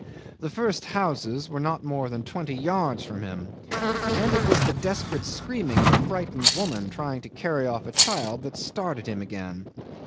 The first houses were not more than twenty yards from him; and it was the desperate screaming of a frightened woman trying to carry off a child that started him again.